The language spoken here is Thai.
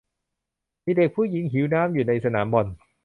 มีเด็กผู้หญิงหิวน้ำอยู่ในสนามบอล